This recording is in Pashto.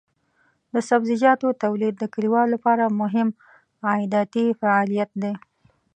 د سبزیجاتو تولید د کليوالو لپاره مهم عایداتي فعالیت دی.